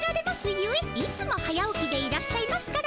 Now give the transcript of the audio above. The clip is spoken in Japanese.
ゆえいつも早起きでいらっしゃいますからね。